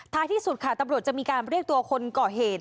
ที่สุดค่ะตำรวจจะมีการเรียกตัวคนก่อเหตุ